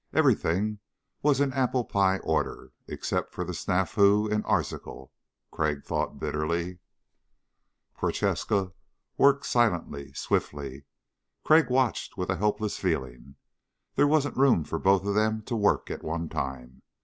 Everything was in apple pie order, except for the snafu in Arzachel, Crag thought bitterly. Prochaska worked silently, swiftly. Crag watched with a helpless feeling. There wasn't room for both of them to work at one time.